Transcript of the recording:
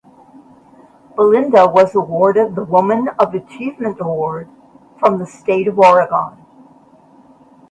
Belinda was awarded the Woman of Achievement Award from the State of Oregon.